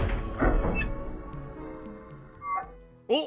おっ！